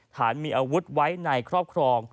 ฐานมีอาวุธไว้ในครอบครอง